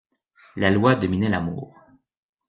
La Loi dominait l'amour.